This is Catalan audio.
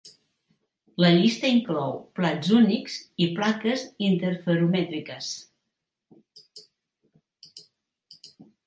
La llista inclou plats únics i plaques interferomètriques.